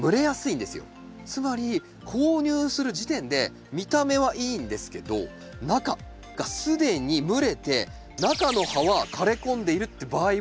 つまり購入する時点で見た目はいいんですけど中が既に蒸れて中の葉は枯れこんでいるっていう場合もあるんです。